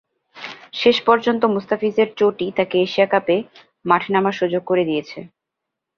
শেষ পর্যন্ত মুস্তাফিজের চোটই তাঁকে এশিয়া কাপে মাঠে নামার সুযোগ করে দিয়েছে।